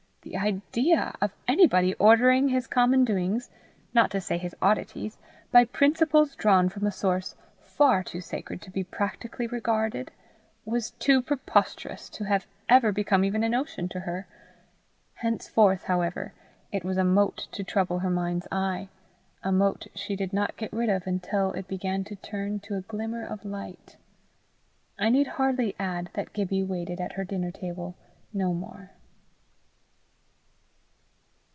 The idea of anybody ordering his common doings, not to say his oddities, by principles drawn from a source far too sacred to be practically regarded, was too preposterous to have ever become even a notion to her. Henceforth, however, it was a mote to trouble her mind's eye, a mote she did not get rid of until it began to turn to a glimmer of light. I need hardly add that Gibbie waited at her dinner table no more.